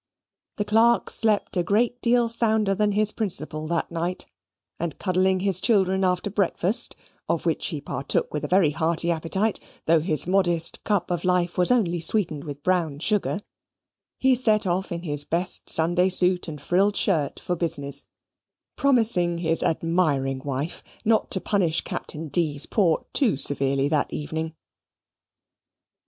The clerk slept a great deal sounder than his principal that night; and, cuddling his children after breakfast (of which he partook with a very hearty appetite, though his modest cup of life was only sweetened with brown sugar), he set off in his best Sunday suit and frilled shirt for business, promising his admiring wife not to punish Captain D.'s port too severely that evening.